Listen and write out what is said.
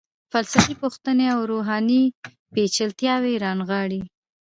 فلسفي پوښتنې او رواني پیچلتیاوې رانغاړي.